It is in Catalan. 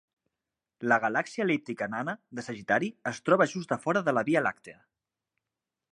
La galàxia el·líptica nana de Sagitari es troba just a fora de la Via Làctia.